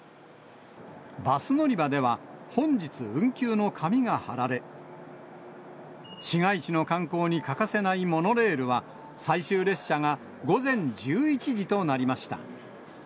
バス乗り場では、本日運休の紙が貼られ、市街地の観光に欠かせないモノレールは、最終列車が午前１１時となりました。